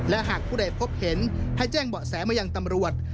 และหากผู้ใดพบเห็นให้แจ้งเบาะแสมายังตำรวจ